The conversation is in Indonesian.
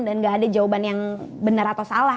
dan gak ada jawaban yang benar atau salah